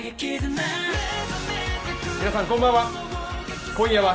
皆さん、こんばんは。